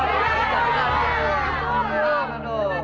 tidak tidak tidak